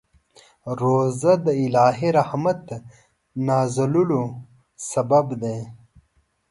روژه د الهي رحمت نازلولو سبب دی.